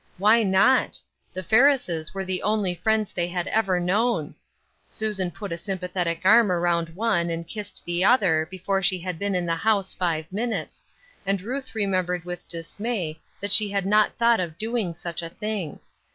Why not? The Ferrises were the only friends they had ever known. Susan put a symyathetic arm around one and kissed the other before she had been in the house five minutes, and Ruth re membered with dismay that she had not thought of doing such a thing.